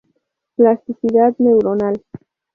Plasticidad neuronal.